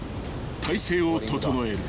［体勢を整える］